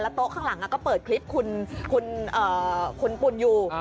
โต๊ะข้างหลังก็เปิดคลิปคุณปุ่นอยู่